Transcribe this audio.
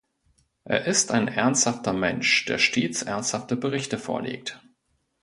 Er ist ein ernsthafter Mensch, der stets ernsthafte Berichte vorlegt.